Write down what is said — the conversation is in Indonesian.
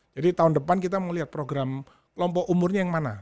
jadi tahun depan kita mau lihat program kelompok umurnya yang mana